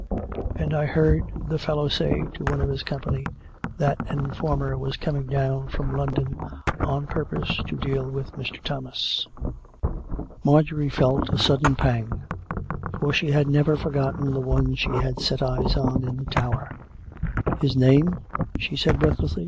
And I heard the fellow say to one of his company that an informer was coming down from London on purpose to deal with Mr. Thomas." Mar j orie felt a sudden pang ; for she had never forgotten the one she had set eyes on in the Tower. "His name.''" she said breathlessly.